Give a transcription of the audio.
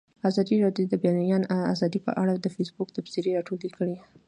ازادي راډیو د د بیان آزادي په اړه د فیسبوک تبصرې راټولې کړي.